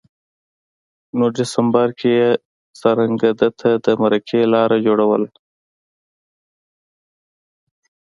نو دسمبر کي یې څرنګه ده ته د مرکې لار جوړوله